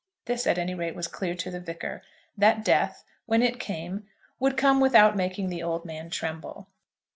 This, at any rate, was clear to the Vicar, that Death, when it came, would come without making the old man tremble.